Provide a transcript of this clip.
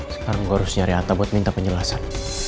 sekarang gue harus nyari atta buat minta penjelasan